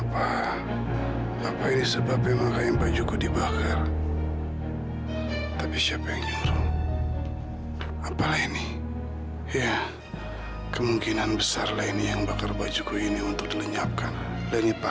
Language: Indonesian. sampai jumpa di video selanjutnya